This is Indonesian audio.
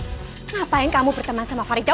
ngapain kamu berteman sama farida